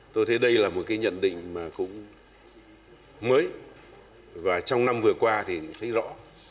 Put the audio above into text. tôi thấy đây là một cái nhận định mà cũng mới và trong năm vừa qua thì thấy rõ